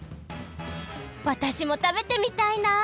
わたしも食べてみたいな。